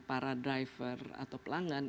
para driver atau pelanggan